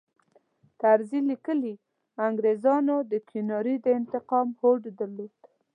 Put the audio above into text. طرزي لیکي انګریزانو د کیوناري د انتقام هوډ درلود.